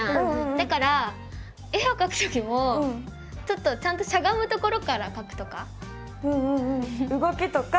だから絵をかくときもちょっとちゃんとしゃがむところからかくとか。